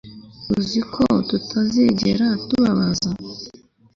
Uzi ko tutazigera tubabaza